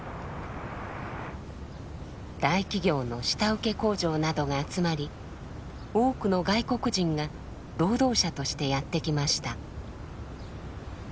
大企業の下請け工場などが集まり多くの外国人が労働者としてやって来ました。